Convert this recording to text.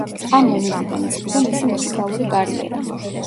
ამ მომენტიდან იწყება მისი მუსიკალური კარიერა.